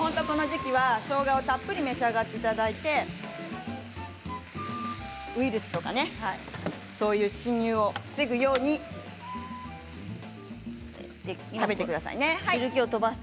この時期はしょうがをたっぷり召し上がっていただいてウイルスとかねそういう侵入を防ぐように食べてくださいね。